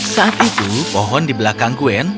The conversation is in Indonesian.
saat itu pohon di belakang gwen turun ke bawah